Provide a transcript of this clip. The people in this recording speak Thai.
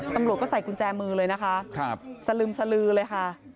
ตำรวจก็ใส่กุญแจมือเลยนะคะสลึมสลือเลยค่ะ